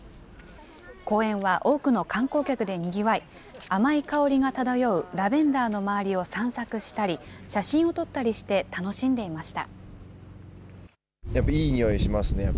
公園は多くの観光客でにぎわい、甘い香りが漂うラベンダーの周りを散策したり、写真を撮ったりして楽しんでいました。